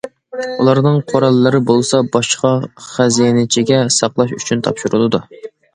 ئۇلارنىڭ قوراللىرى بولسا باشقا خەزىنىچىگە ساقلاش ئۈچۈن تاپشۇرۇلىدۇ.